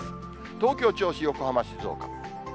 東京、銚子、横浜、静岡。